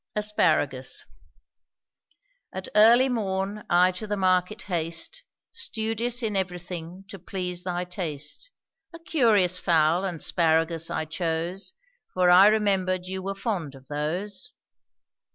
ASPARAGUS. At early morn, I to the market haste, (Studious in everything to please thy taste); A curious fowl and 'sparagus I chose, (For I remembered you were fond of those).